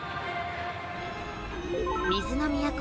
水の都